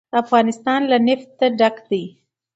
افغانستان له نفت ډک دی.